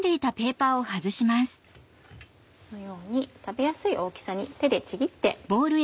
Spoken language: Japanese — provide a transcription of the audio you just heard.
このように食べやすい大きさに手でちぎって。